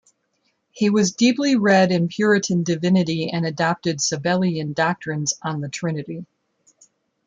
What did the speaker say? He was deeply read in Puritan divinity, and adopted Sabellian doctrines on the Trinity.